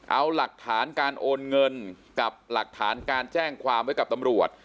เอาหลักฐานการโอนเงินกับหลักฐานการแจ้งความไว้กับตำรวจ